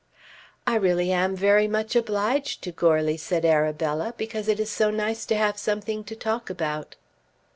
"I really am very much obliged to Goarly," said Arabella, "because it is so nice to have something to talk about."